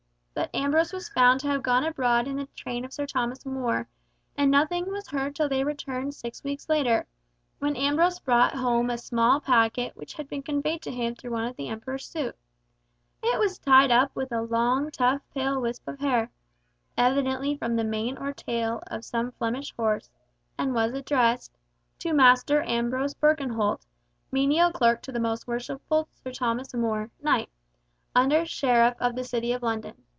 But Ambrose was found to have gone abroad in the train of Sir Thomas More, and nothing was heard till their return six weeks later, when Ambrose brought home a small packet which had been conveyed to him through one of the Emperor's suite. It was tied up with a long tough pale wisp of hair, evidently from the mane or tail of some Flemish horse, and was addressed, "To Master Ambrose Birkenholt, menial clerk to the most worshipful Sir Thomas More, Knight, Under Sheriff of the City of London.